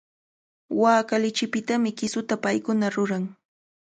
Waaka lichipitami kisuta paykuna ruran.